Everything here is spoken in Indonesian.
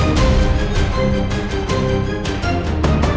aku akan menangkapmu